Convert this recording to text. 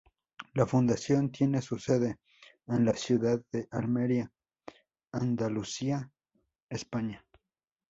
La fundación tiene su sede en la ciudad de Almería, Andalucía, España.